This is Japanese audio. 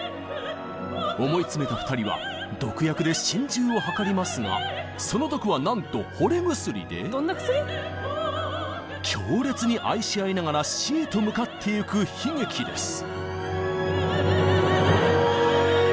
思い詰めた２人は毒薬で心中を図りますがその毒はなんと「ほれ薬」で強烈に愛し合いながら死へと向かってゆく悲劇です。